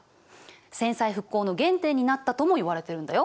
戦災復興の原点になったともいわれてるんだよ。